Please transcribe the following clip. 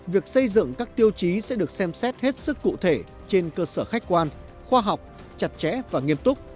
việc xây dựng các tiêu chí sẽ được xem xét hết sức cụ thể trên cơ sở khách quan khoa học chặt chẽ và nghiêm túc